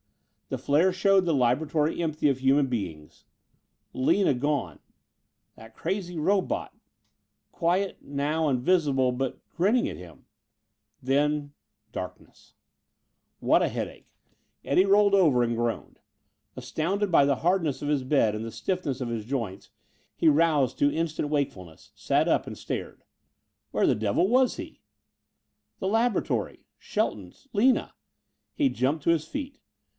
The flare showed the laboratory empty of human beings ... Lina gone ... that crazy robot ... quiet now, and visible ... but grinning at him ... then darkness.... What a headache! Eddie rolled over and groaned. Astounded by the hardness of his bed and the stiffness of his joints, he roused to instant wakefulness; sat up and stared. Where the devil was he? The laboratory Shelton's Lina. He jumped to his feet.